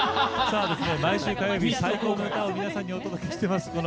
毎週火曜日、最高の歌を皆さんにお届けしています。